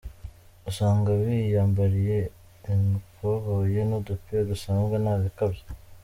Usanga biyambariye amkoboyi n’udupira dusanzwe nta bikabyo.